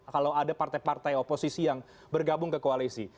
kalau ada partai partai oposisi yang bergabung ke koalisi